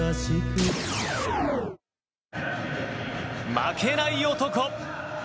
負けない男。